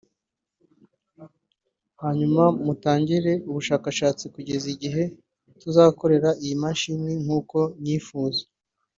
hanyuma mutangire ubushakashatsi kugeza igihe tuzakorera iyi mashini nk’uko nyifuza”